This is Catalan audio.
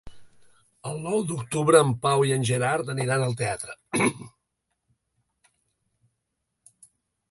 El nou d'octubre en Pau i en Gerard aniran al teatre.